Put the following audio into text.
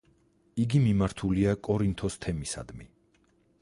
იგი მიმართულია კორინთოს თემისადმი.